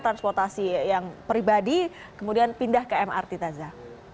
transportasi yang pribadi kemudian pindah ke mrt taza